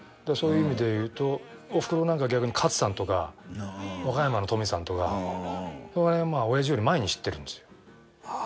そういう意味でいうとおふくろなんか逆にカツさんとか和歌山のトミさんとかそのへんまあおやじより前に知ってるんですよ。